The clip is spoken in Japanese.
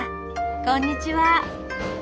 こんにちは！